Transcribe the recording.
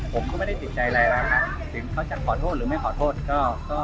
ผมก็ไม่ได้ติดใจอะไรแล้วนะถึงเขาจะขอโทษหรือไม่ขอโทษก็